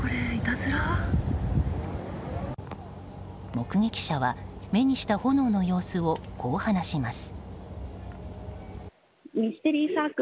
目撃者は、目にした炎の様子をこう話します。